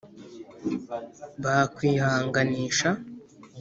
bakwihanganisha